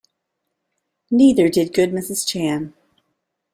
Neither did good Mrs. Chan.